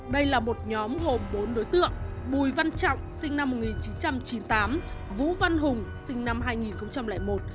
đây là một nhóm gồm bốn đối tượng bùi văn trọng sinh năm một nghìn chín trăm chín mươi tám vũ văn hùng sinh năm hai nghìn một